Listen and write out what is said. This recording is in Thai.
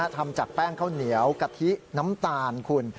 ทำจากแป้งข้าวเหนียวกะทิน้ำตาลคุณ